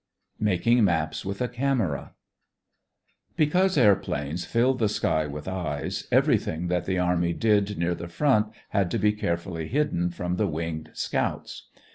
MAKING MAPS WITH A CAMERA Because airplanes filled the sky with eyes, everything that the army did near the front had to be carefully hidden from the winged scouts.